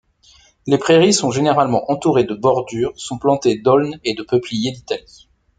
Les prairies sont généralement entourées de bordures sont plantées d’aulnes et de peupliers d’Italie.